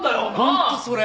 ホントそれ。